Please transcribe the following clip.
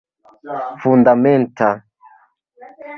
fundamenta